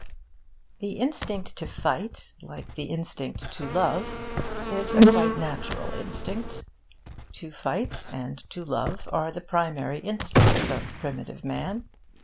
The instinct to fight, like the instinct to love, is a quite natural instinct. To fight and to love are the primary instincts of primitive man.